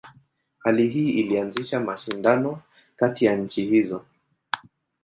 Hali hii ilianzisha mashindano kati ya nchi hizo.